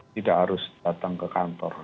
tidak harus datang ke kantor